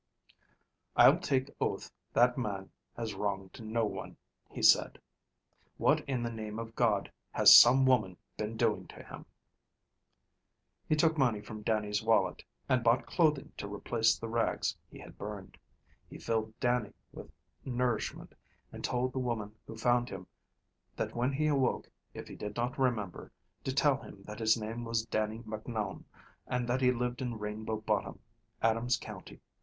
"I'll take oath that man has wronged no one," he said. "What in the name of God has some woman been doing to him?" He took money from Dannie's wallet and bought clothing to replace the rags he had burned. He filled Dannie with nourishment, and told the woman who found him that when he awoke, if he did not remember, to tell him that his name was Dannie Macnoun, and that he lived in Rainbow Bottom, Adams County.